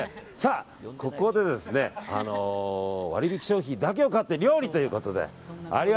さあ、ここで割引商品だけを買って料理ということで。